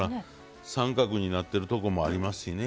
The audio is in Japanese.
三角になってるとこもありますしね。